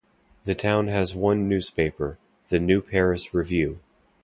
The town has one newspaper, the "New Paris Review".